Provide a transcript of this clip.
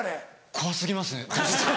怖過ぎますね。